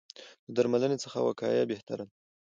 له درملنې څخه وقایه بهتره ده.